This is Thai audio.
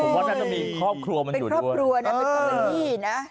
ผมว่าจะมีครอบครัวมันอยู่ด้วยเป็นครอบครัวนะเป็นตัวนี้นะ